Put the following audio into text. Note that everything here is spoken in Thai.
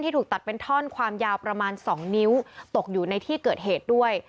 ถูกตัดเป็นท่อนความยาวประมาณ๒นิ้วตกอยู่ในที่เกิดเหตุด้วย